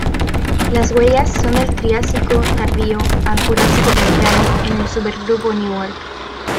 Las huellas son del Triásico Tardío al Jurásico Temprano en el supergrupo Newark.